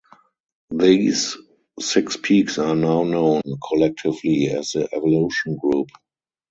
These six peaks are now known collectively as the Evolution Group.